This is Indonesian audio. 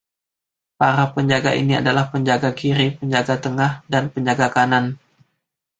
Para penjaga ini adalah penjaga kiri, penjaga tengah, dan penjaga kanan.